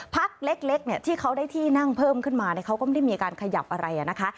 พักเล็กเนี่ยที่เขาได้ที่นั่งเพิ่มขึ้นมาเขาก็ไม่ได้มีการขยับอะไรนะคะ